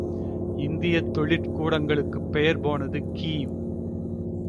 இயந்திரத் தொழிற் கூடங்களுக்குப் பெயர் போனது கீவ்.